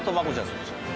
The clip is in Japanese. そっち。